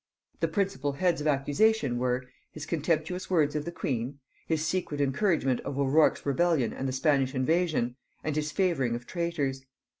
The principal heads of accusation were; his contemptuous words of the queen; his secret encouragement of O'Rourk's rebellion and the Spanish invasion, and his favoring of traitors.